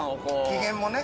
機嫌をね。